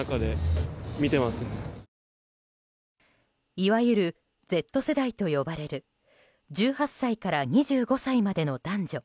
いわゆるＺ世代と呼ばれる１８歳から２５歳までの男女